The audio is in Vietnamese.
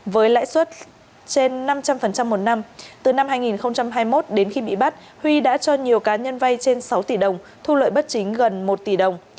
với lãi suất trên năm trăm linh một năm từ năm hai nghìn hai mươi một đến khi bị bắt huy đã cho nhiều cá nhân vay trên sáu tỷ đồng thu lợi bất chính gần một tỷ đồng